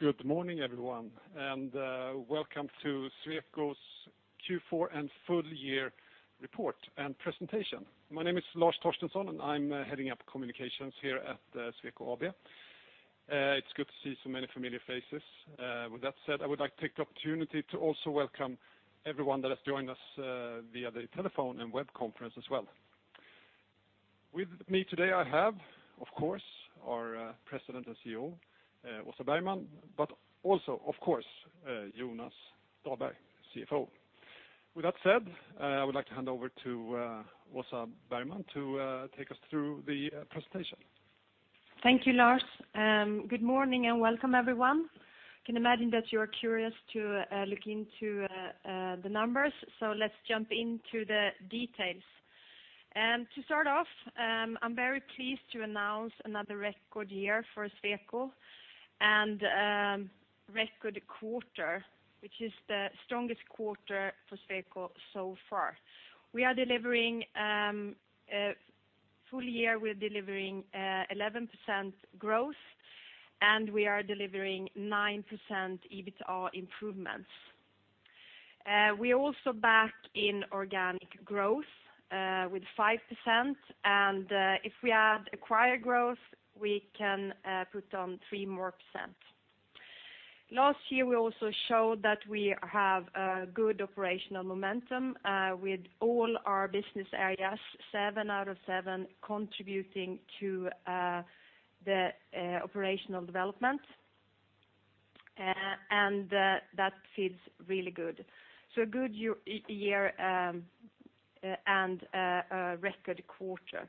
Good morning, everyone, and welcome to Sweco's Q4 and full year report and presentation. My name is Lars Torstensson, and I'm heading up communications here at Sweco AB. It's good to see so many familiar faces. With that said, I would like to take the opportunity to also welcome everyone that has joined us via the telephone and web conference as well. With me today, I have, of course, our President and CEO, Åsa Bergman, but also, of course, Jonas Dahlberg, CFO. With that said, I would like to hand over to Åsa Bergman to take us through the presentation. Thank you, Lars, and good morning, and welcome, everyone. I can imagine that you are curious to look into the numbers, so let's jump into the details. To start off, I'm very pleased to announce another record year for Sweco and record quarter, which is the strongest quarter for Sweco so far. We are delivering a full year with delivering 11% growth, and we are delivering 9% EBITA improvements. We're also back in organic growth with 5%, and if we add acquired growth, we can put on 3% more. Last year, we also showed that we have good operational momentum with all our business areas, seven out of seven contributing to the operational development. That feels really good. So a good year and a record quarter.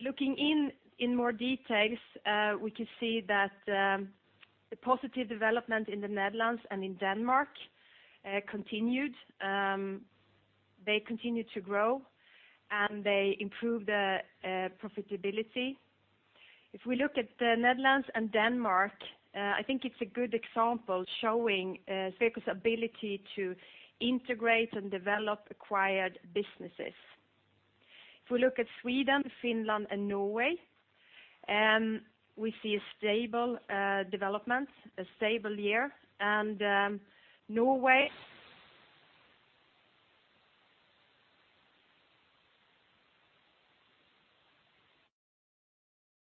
Looking in more details, we can see that the positive development in the Netherlands and in Denmark continued. They continued to grow, and they improved profitability. If we look at the Netherlands and Denmark, I think it's a good example showing Sweco's ability to integrate and develop acquired businesses. If we look at Sweden, Finland, and Norway, we see a stable development, a stable year. And Norway.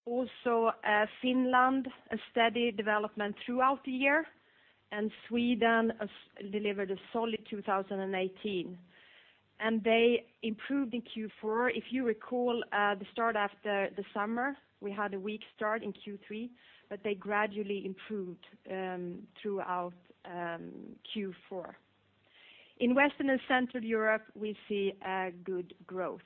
Also Finland, a steady development throughout the year, and Sweden delivered a solid 2018, and they improved in Q4. If you recall, the start after the summer, we had a weak start in Q3, but they gradually improved throughout Q4. In Western and Central Europe, we see a good growth.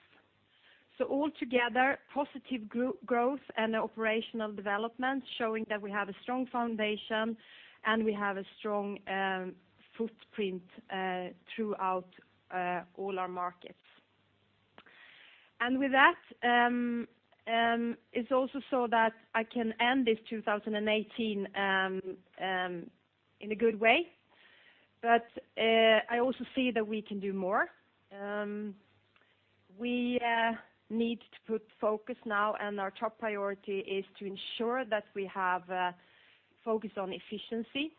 So all together, positive growth and operational development, showing that we have a strong foundation, and we have a strong footprint throughout all our markets. And with that, it's also so that I can end this 2018 in a good way. But I also see that we can do more. We need to put focus now, and our top priority is to ensure that we have a focus on efficiency,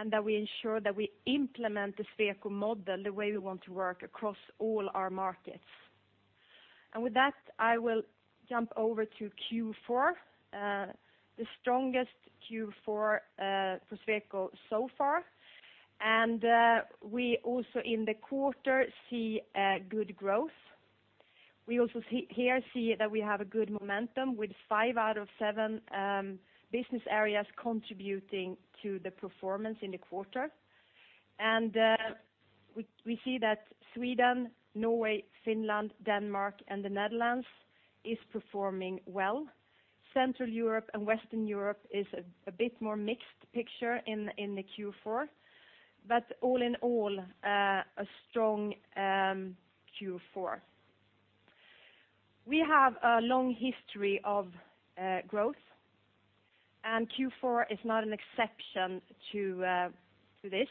and that we ensure that we implement the Sweco model the way we want to work across all our markets. And with that, I will jump over to Q4, the strongest Q4 for Sweco so far. And we also in the quarter see a good growth. We also see here that we have a good momentum with five out of seven business areas contributing to the performance in the quarter. We see that Sweden, Norway, Finland, Denmark, and the Netherlands is performing well. Central Europe and Western Europe is a bit more mixed picture in the Q4, but all in all, a strong Q4. We have a long history of growth, and Q4 is not an exception to this.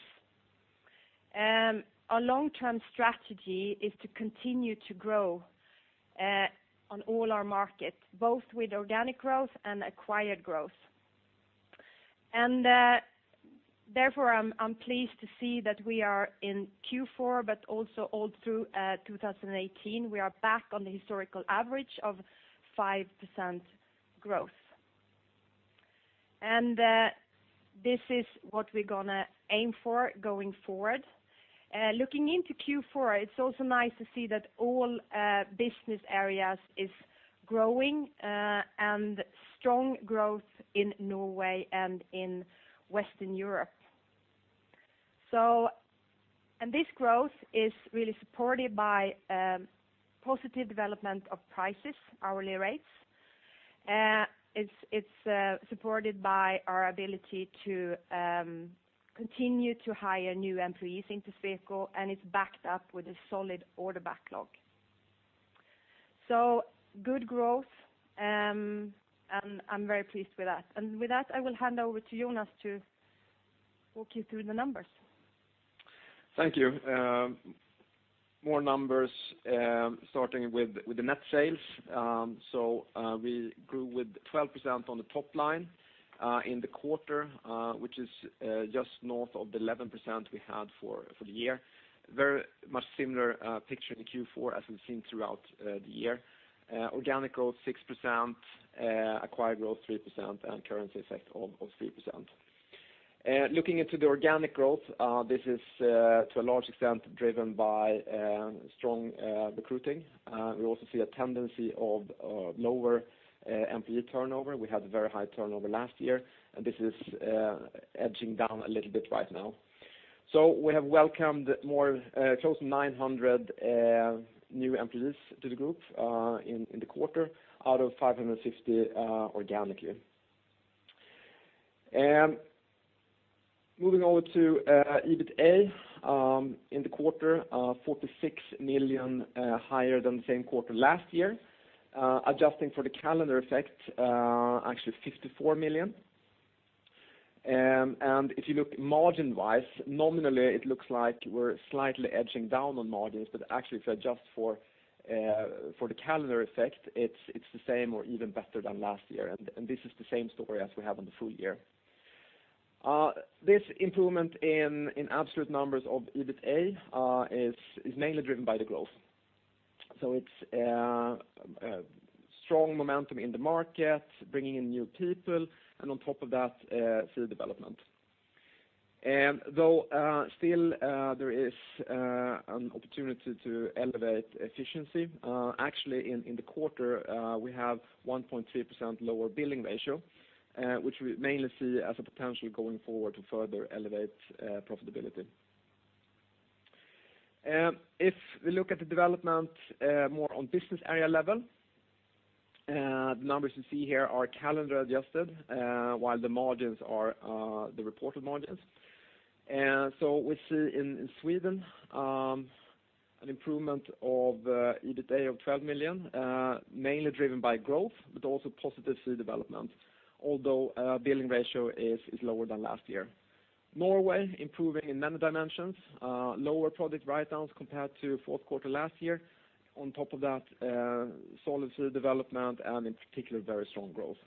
Our long-term strategy is to continue to grow on all our markets, both with organic growth and acquired growth. Therefore, I'm pleased to see that we are in Q4, but also all through 2018, we are back on the historical average of 5% growth. This is what we're gonna aim for going forward. Looking into Q4, it's also nice to see that all business areas is growing, and strong growth in Norway and in Western Europe. So, and this growth is really supported by positive development of prices, hourly rates. It's supported by our ability to continue to hire new employees into Sweco, and it's backed up with a solid order backlog. So good growth, and I'm very pleased with that. And with that, I will hand over to Jonas to walk you through the numbers. Thank you. More numbers, starting with the net sales. So, we grew with 12% on the top line in the quarter, which is just north of the 11% we had for the year. Very much similar picture in the Q4 as we've seen throughout the year. Organic growth 6%, acquired growth 3%, and currency effect of 3%. Looking into the organic growth, this is to a large extent driven by strong recruiting. We also see a tendency of lower employee turnover. We had a very high turnover last year, and this is edging down a little bit right now. So we have welcomed more, close to 900 new employees to the group in the quarter, out of 550 organically. And moving over to EBITA in the quarter, 46 million higher than the same quarter last year. Adjusting for the calendar effect, actually 54 million. And if you look margin-wise, nominally it looks like we're slightly edging down on margins, but actually if you adjust for the calendar effect, it's the same or even better than last year. And this is the same story as we have on the full year. This improvement in absolute numbers of EBITA is mainly driven by the growth. So it's strong momentum in the market, bringing in new people, and on top of that, fee development. And though still there is an opportunity to elevate efficiency, actually in the quarter, we have 1.3% lower billing ratio, which we mainly see as a potential going forward to further elevate profitability. If we look at the development more on business area level, the numbers you see here are calendar adjusted, while the margins are the reported margins. And so we see in Sweden an improvement of EBITA of 12 million, mainly driven by growth, but also positive fee development, although billing ratio is lower than last year. Norway, improving in many dimensions, lower product write-downs compared to fourth quarter last year. On top of that, solid fee development, and in particular, very strong growth.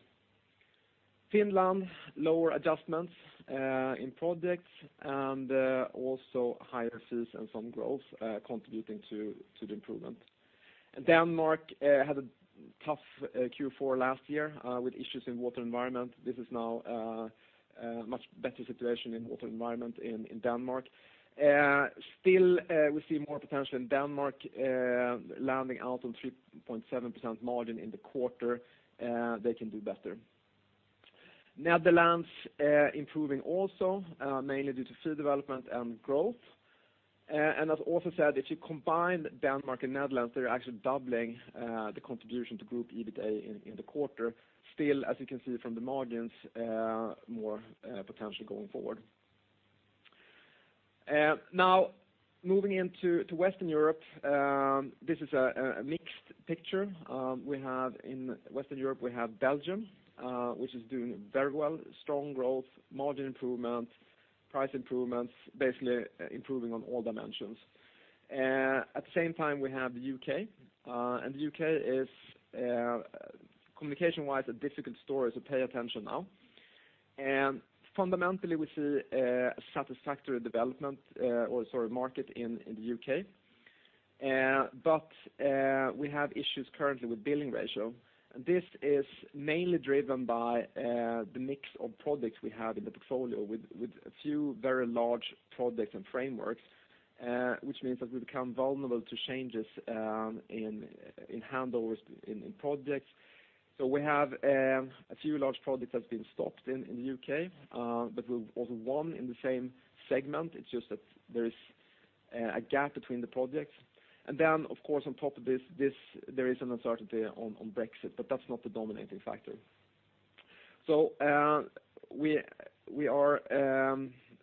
Finland, lower adjustments in products, and also higher fees and some growth contributing to the improvement. Denmark had a tough Q4 last year with issues in water environment. This is now a much better situation in water environment in Denmark. Still, we see more potential in Denmark, landing out on 3.7% margin in the quarter; they can do better. Netherlands, improving also, mainly due to fee development and growth. And as also said, if you combine Denmark and Netherlands, they're actually doubling the contribution to group EBITA in the quarter. Still, as you can see from the margins, more potential going forward. Now, moving into Western Europe, this is a mixed picture. We have in Western Europe, we have Belgium, which is doing very well, strong growth, margin improvements, price improvements, basically improving on all dimensions. At the same time, we have the U.K., and the U.K. is, communication-wise, a difficult story, so pay attention now. Fundamentally, we see a satisfactory development, or sorry, market in the U.K. But we have issues currently with billing ratio. This is mainly driven by the mix of products we have in the portfolio with a few very large projects and frameworks, which means that we become vulnerable to changes in handovers in projects. So we have a few large projects that's been stopped in the U.K., but we've also won in the same segment. It's just that there is a gap between the projects. And then, of course, on top of this, there is an uncertainty on Brexit, but that's not the dominating factor. So, we are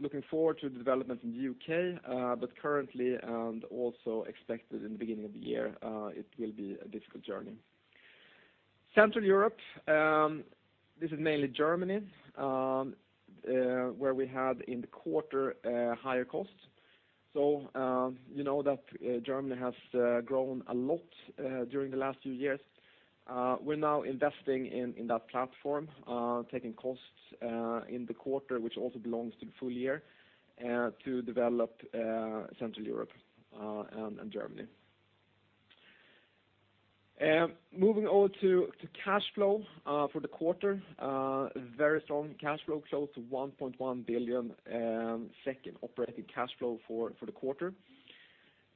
looking forward to the development in the U.K., but currently, and also expected in the beginning of the year, it will be a difficult journey. Central Europe, this is mainly Germany, where we had in the quarter higher costs. So, you know that Germany has grown a lot during the last few years. We're now investing in that platform, taking costs in the quarter, which also belongs to the full year, to develop Central Europe and Germany. Moving on to cash flow for the quarter. Very strong cash flow, close to 1.1 billion, second operating cash flow for the quarter.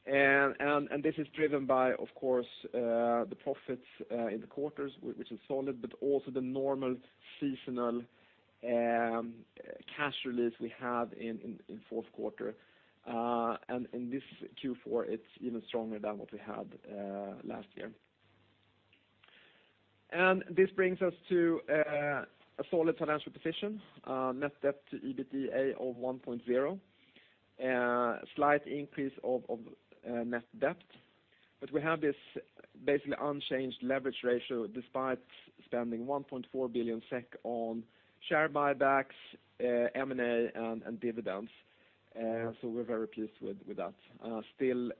And this is driven by, of course, the profits in the quarters, which is solid, but also the normal seasonal cash release we have in fourth quarter. And in this Q4, it's even stronger than what we had last year. And this brings us to a solid financial position, net debt to EBITA of 1.0, slight increase of net debt. But we have this basically unchanged leverage ratio, despite spending 1.4 billion SEK on share buybacks, M&A, and dividends. So we're very pleased with that. Still,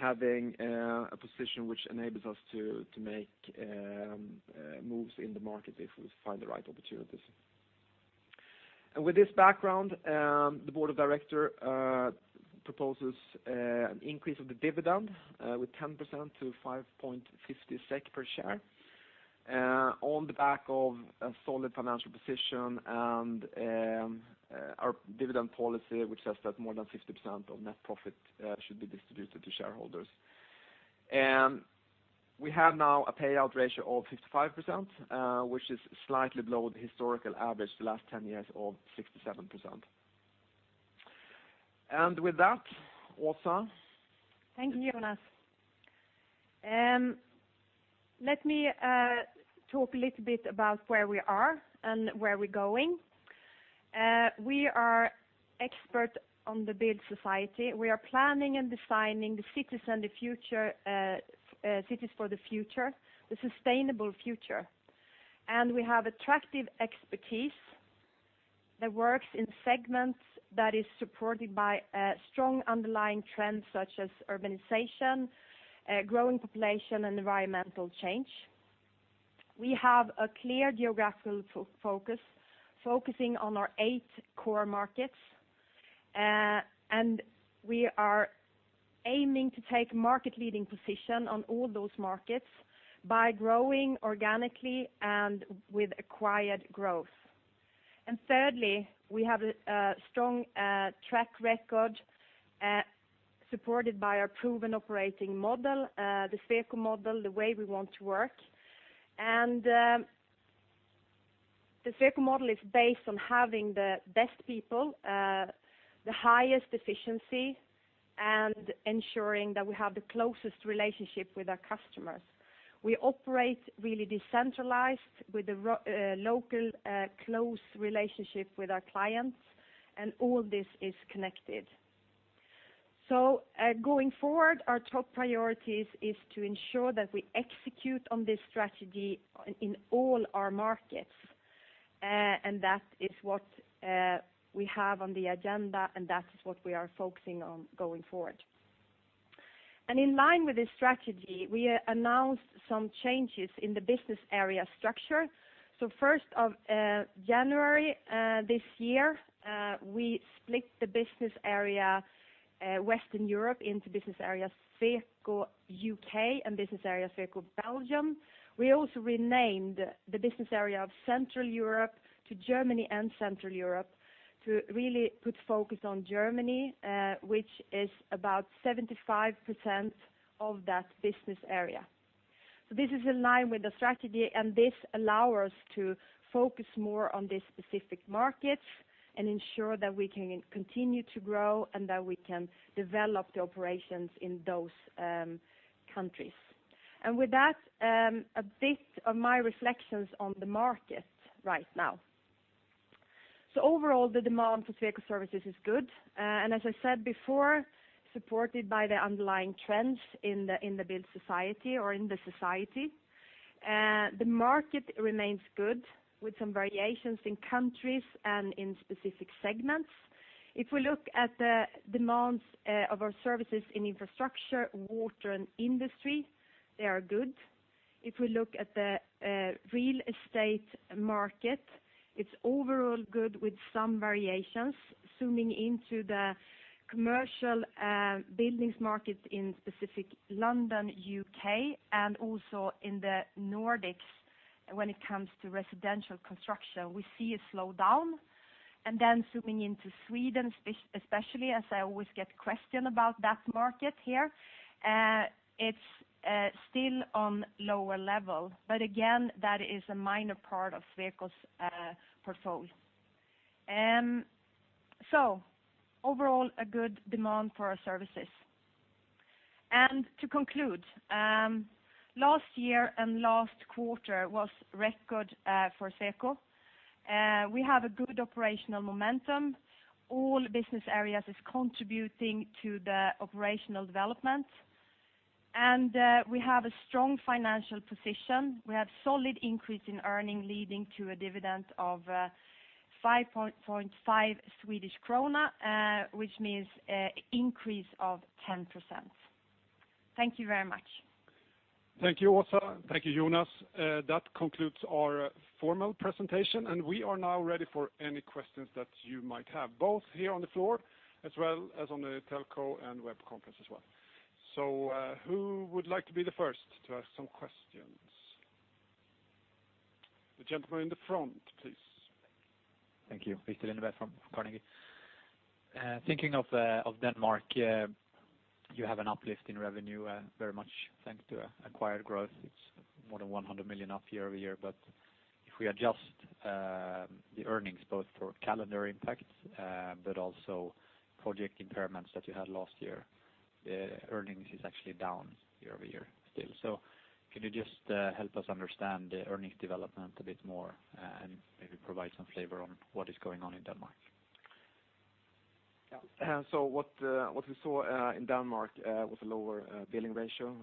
having a position which enables us to make moves in the market if we find the right opportunities. And with this background, the Board of Directors proposes an increase of the dividend with 10% to 5.50 SEK per share, on the back of a solid financial position and our dividend policy, which says that more than 50% of net profit should be distributed to shareholders. And we have now a payout ratio of 55%, which is slightly below the historical average the last 10 years of 67%. And with that, Åsa. Thank you, Jonas. Let me talk a little bit about where we are and where we're going. We are expert on the built society. We are planning and designing the cities and the future, cities for the future, the sustainable future. We have attractive expertise that works in segments that is supported by strong underlying trends such as urbanization, growing population, and environmental change. We have a clear geographical focus, focusing on our eight core markets. And we are aiming to take market leading position on all those markets by growing organically and with acquired growth. And thirdly, we have a strong track record supported by our proven operating model, the Sweco model, the way we want to work. The Sweco model is based on having the best people, the highest efficiency, and ensuring that we have the closest relationship with our customers. We operate really decentralized with a local, close relationship with our clients, and all this is connected. Going forward, our top priorities is to ensure that we execute on this strategy in all our markets. And that is what we have on the agenda, and that is what we are focusing on going forward. In line with this strategy, we announced some changes in the business area structure. First of January this year, we split the Business Area Western Europe into Business Area Sweco U.K. and Business Area Sweco Belgium. We also renamed the business area of Central Europe to Germany and Central Europe to really put focus on Germany, which is about 75% of that business area. This is in line with the strategy, and this allows us to focus more on these specific markets and ensure that we can continue to grow and that we can develop the operations in those countries. With that, a bit of my reflections on the market right now. Overall, the demand for Sweco services is good, and as I said before, supported by the underlying trends in the built society or in the society. The market remains good, with some variations in countries and in specific segments. If we look at the demands of our services in infrastructure, water, and industry, they are good. If we look at the real estate market, it's overall good with some variations. Zooming into the commercial buildings market in specific London, U.K., and also in the Nordics, when it comes to residential construction, we see a slowdown. And then zooming into Sweden, especially, as I always get questioned about that market here, it's still on lower level, but again, that is a minor part of Sweco's portfolio. So overall, a good demand for our services. And to conclude, last year and last quarter was record for Sweco. We have a good operational momentum. All business areas is contributing to the operational development, and we have a strong financial position. We have solid increase in earning, leading to a dividend of 5.5 Swedish krona, which means increase of 10%. Thank you very much. Thank you, Åsa. Thank you, Jonas. That concludes our formal presentation, and we are now ready for any questions that you might have, both here on the floor as well as on the telco and web conference as well. So, who would like to be the first to ask some questions? The gentleman in the front, please. Thank you. Viktor Lindeberg from Carnegie. Thinking of Denmark, you have an uplift in revenue, very much thanks to acquired growth. It's more than 100 million up year-over-year. But if we adjust the earnings both for calendar impact, but also project impairments that you had last year, earnings is actually down year-over-year still. So can you just help us understand the earnings development a bit more, and maybe provide some flavor on what is going on in Denmark? Yeah, and so what we saw in Denmark was a lower billing ratio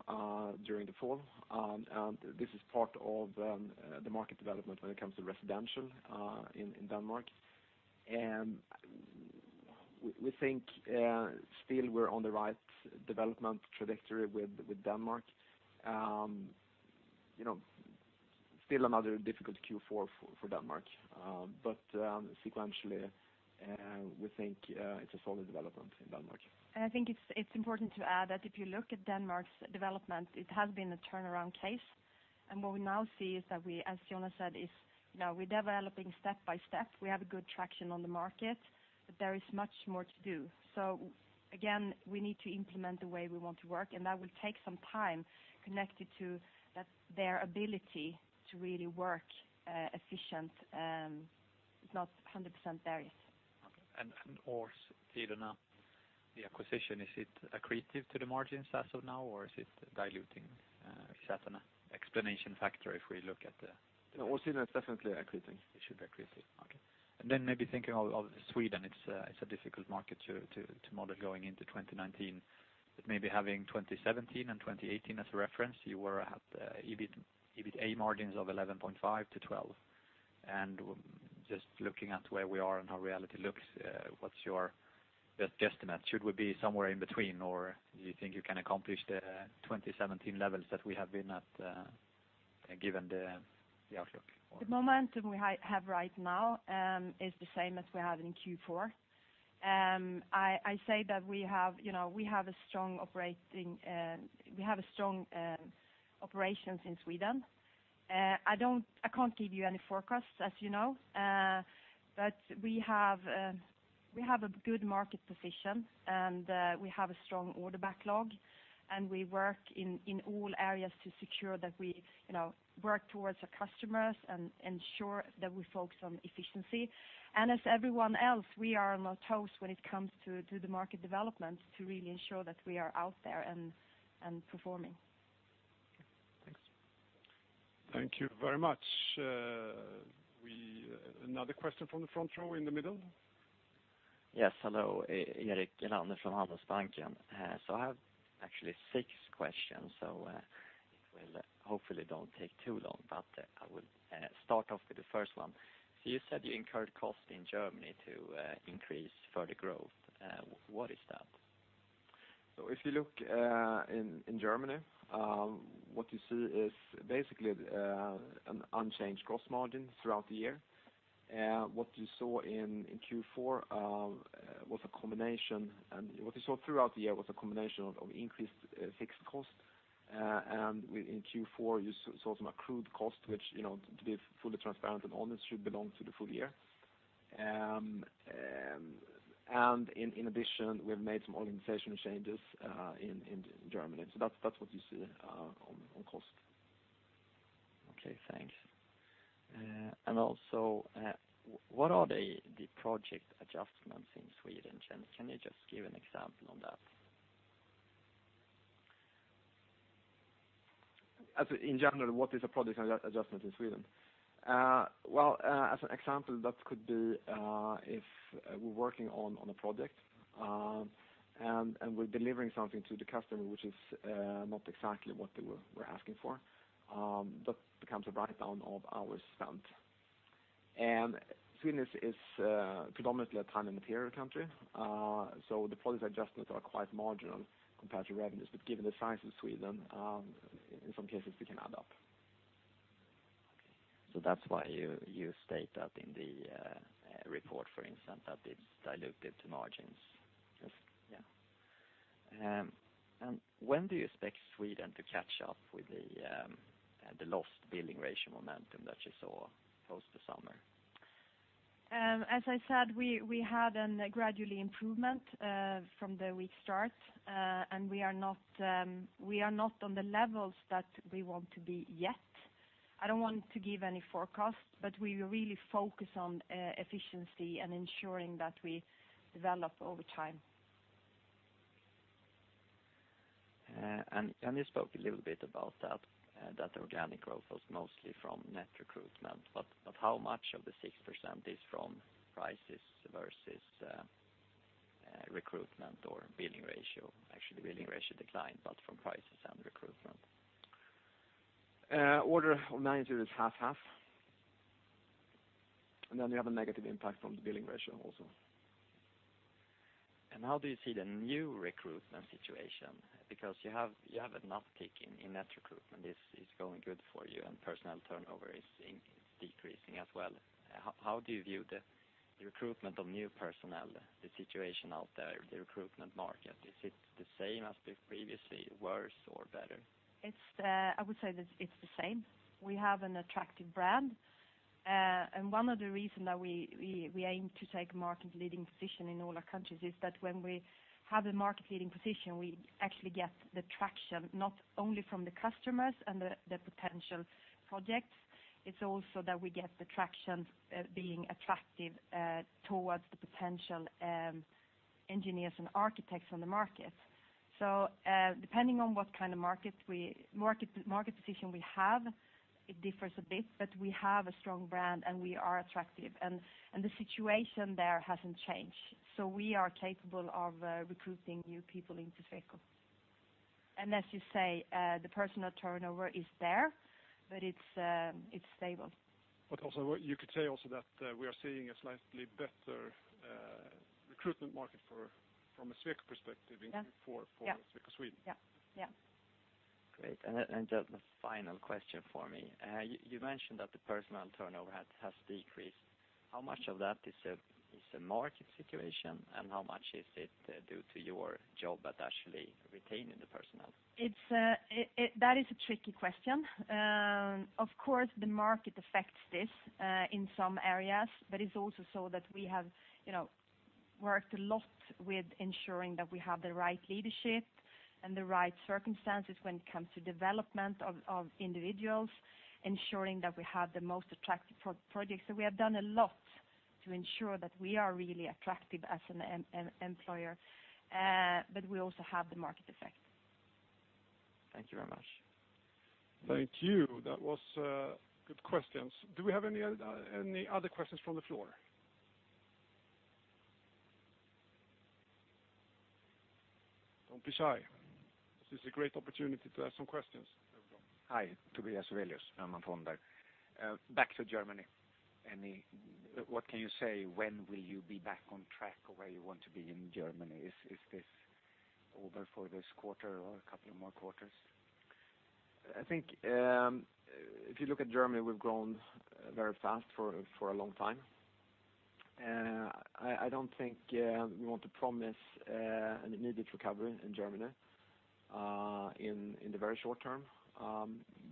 during the fall. And this is part of the market development when it comes to residential in Denmark. And we think still we're on the right development trajectory with Denmark. You know, still another difficult Q4 for Denmark, but sequentially, we think it's a solid development in Denmark. I think it's important to add that if you look at Denmark's development, it has been a turnaround case. What we now see is that we, as Jonas said, is, you know, we're developing step by step. We have a good traction on the market, but there is much more to do. So again, we need to implement the way we want to work, and that will take some time connected to that their ability to really work efficient is not 100% there yet. Årstiderne, the acquisition, is it accretive to the margins as of now, or is it diluting? Is that an explanation factor if we look at the No, Årstiderne is definitely accretive. It should be accretive, okay. And then maybe thinking of Sweden, it's a difficult market to model going into 2019. But maybe having 2017 and 2018 as a reference, you were at EBITA, EBITDA margins of 11.5%-12%. And just looking at where we are and how reality looks, what's your best guesstimate? Should we be somewhere in between, or you think you can accomplish the 2017 levels that we have been at, given the outlook? The momentum we have right now is the same as we had in Q4. I say that we have, you know, we have a strong operations in Sweden. I can't give you any forecasts, as you know. But we have we have a good market position, and we have a strong order backlog, and we work in all areas to secure that we, you know, work towards our customers and ensure that we focus on efficiency. As everyone else, we are on our toes when it comes to the market development to really ensure that we are out there and performing. Thanks. Thank you very much. Another question from the front row in the middle. Yes, hello, Erik Ekelund from Handelsbanken. So I have actually six questions, so, it will hopefully don't take too long, but I will start off with the first one. So you said you incurred costs in Germany to increase further growth. What is that? So if you look in Germany, what you see is basically an unchanged gross margin throughout the year. What you saw in Q4 was a combination, and what you saw throughout the year was a combination of increased fixed costs. And in Q4, you saw some accrued costs, which, you know, to be fully transparent and honest, should belong to the full year. And in addition, we've made some organizational changes in Germany. So that's what you see on cost. Okay, thanks. And also, what are the project adjustments in Sweden? Can you just give an example on that? As in general, what is a project adjustment in Sweden? Well, as an example, that could be if we're working on a project and we're delivering something to the customer which is not exactly what they were asking for, that becomes a write-down of our spend. And Sweden is predominantly a time and material country, so the project adjustments are quite marginal compared to revenues. But given the size of Sweden, in some cases they can add up. So that's why you, you state that in the report, for instance, that it's diluted the margins? Yes. Yeah. When do you expect Sweden to catch up with the lost billing ratio momentum that you saw post the summer? As I said, we had an gradually improvement from the weak start, and we are not on the levels that we want to be yet. I don't want to give any forecast, but we really focus on efficiency and ensuring that we develop over time. And you spoke a little bit about that organic growth was mostly from net recruitment, but how much of the 6% is from prices versus recruitment or billing ratio? Actually, billing ratio declined, but from prices and recruitment. Order of magnitude is 50/50. You have a negative impact from the billing ratio also. How do you see the new recruitment situation? Because you have enough peak in net recruitment. It's going good for you, and personnel turnover is decreasing as well. How do you view the recruitment of new personnel, the situation out there, the recruitment market? Is it the same as previously, worse or better? It's, I would say that it's the same. We have an attractive brand, and one of the reason that we aim to take market leading position in all our countries is that when we have a market leading position, we actually get the traction, not only from the customers and the potential projects, it's also that we get the traction, being attractive, towards the potential engineers and architects on the market. So, depending on what kind of market position we have, it differs a bit, but we have a strong brand, and we are attractive, and the situation there hasn't changed. So we are capable of recruiting new people into Sweco. And as you say, the personal turnover is there, but it's stable. But also what you could say also that, we are seeing a slightly better, recruitment market for, from a Sweco perspective Yeah. for Sweco Sweden. Yeah, yeah. Great. And just the final question for me. You mentioned that the personnel turnover had, has decreased. How much of that is a market situation, and how much is it due to your job at actually retaining the personnel? It's that is a tricky question. Of course, the market affects this in some areas, but it's also so that we have, you know, worked a lot with ensuring that we have the right leadership and the right circumstances when it comes to development of individuals, ensuring that we have the most attractive projects. So we have done a lot to ensure that we are really attractive as an employer, but we also have the market effect. Thank you very much. Thank you. That was good questions. Do we have any other questions from the floor? Don't be shy. This is a great opportunity to ask some questions. Hi, Tobias Aurelius, M&A Founder. Back to Germany, any what can you say, when will you be back on track or where you want to be in Germany? Is this over for this quarter or a couple of more quarters? I think, if you look at Germany, we've grown very fast for, for a long time. I don't think, we want to promise, an immediate recovery in Germany, in, in the very short term.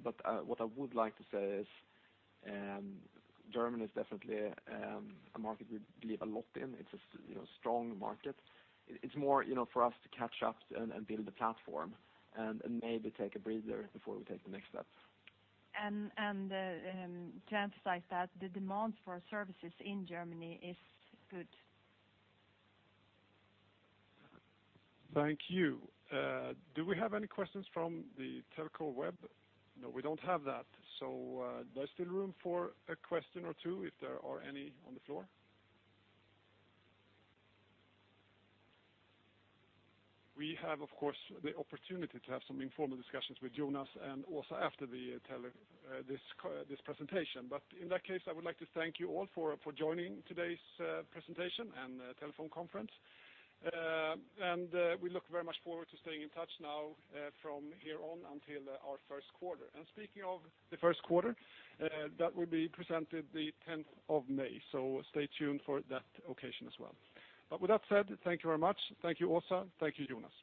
But, what I would like to say is, Germany is definitely, a market we believe a lot in. It's a you know, strong market. It's more, you know, for us to catch up and, and build a platform and, and maybe take a breather before we take the next step. To emphasize that, the demand for services in Germany is good. Thank you. Do we have any questions from the telco web? No, we don't have that. So, there's still room for a question or two, if there are any on the floor. We have, of course, the opportunity to have some informal discussions with Jonas and also after this presentation. But in that case, I would like to thank you all for joining today's presentation and telephone conference. And we look very much forward to staying in touch now from here on until our first quarter. Speaking of the first quarter, that will be presented the tenth of May, so stay tuned for that occasion as well. But with that said, thank you very much. Thank you, Åsa. Thank you, Jonas.